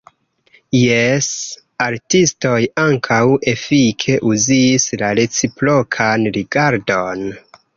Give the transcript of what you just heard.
Jes, artistoj ankaŭ efike uzis la reciprokan rigardon.